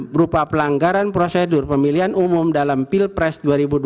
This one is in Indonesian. berupa pelanggaran prosedur pemilihan umum dalam pilpres dua ribu dua puluh